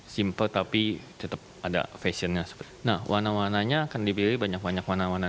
simple tapi tetap ada fashionnya nah warna warnanya akan dipilih banyak banyak warna warna